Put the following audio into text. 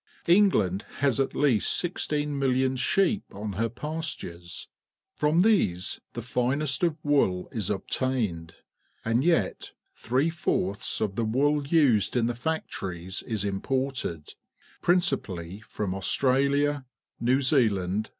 England has at least 16,000,000 .sheep on her pastures. From these the finest of wool is obtained, and yet three fourths of the wooL used in the factories is imported, principally from AustraUa, N ejL_Ze.aland.